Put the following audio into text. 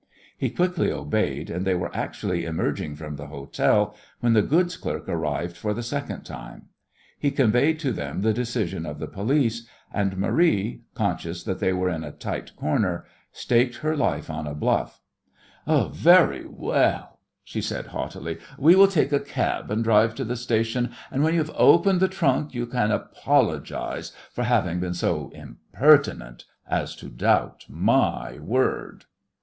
He quickly obeyed, and they were actually emerging from the hotel when the goods clerk arrived for the second time. He conveyed to them the decision of the police, and Marie, conscious that they were in a tight corner, staked her life on bluff. "Very well," she said haughtily, "we will take a cab and drive to the station, and when you have opened the trunk you can apologize for having been so impertinent as to doubt my word."